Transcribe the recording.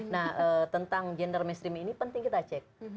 nah tentang gender mainstream ini penting kita cek